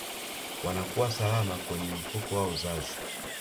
wanakuwa salama kwenye mfuko wa uzazi